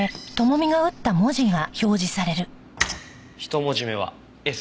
１文字目は「Ｓ」。